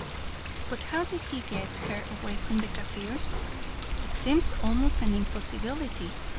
"But how did he get her away from the Kaffirs? It seems almost an impossibility.